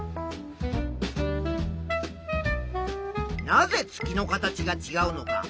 なぜ月の形がちがうのか。